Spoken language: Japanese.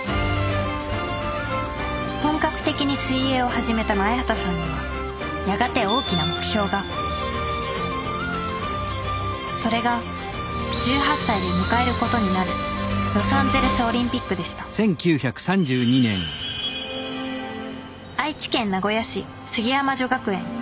本格的に水泳を始めた前畑さんにはやがて大きな目標がそれが１８歳で迎えることになるロサンゼルスオリンピックでした愛知県名古屋市椙山女学園。